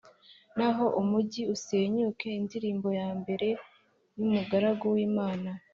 naho umugi usenyuke. Indirimbo ya mbere y’Umugaragu w’Imana